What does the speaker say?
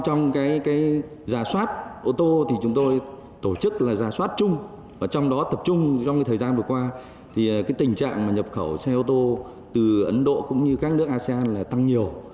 trong giả soát ô tô thì chúng tôi tổ chức là giả soát chung và trong đó tập trung trong thời gian vừa qua thì tình trạng nhập khẩu xe ô tô từ ấn độ cũng như các nước asean là tăng nhiều